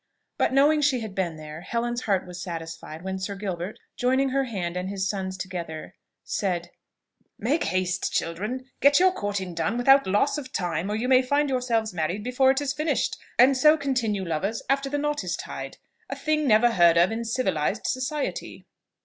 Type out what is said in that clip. But, knowing she had been there, Helen's heart was satisfied when Sir Gilbert, joining her hand and his son's together, said, "Make haste, children; get your courting done without loss of time; or you may find yourselves married before it is finished, and so continue lovers after the knot is tied, a thing never heard of in civilised society."